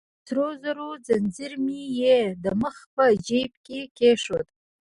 د سرو زرو ځنځیر مې يې د مخ په جیب کې کېښود.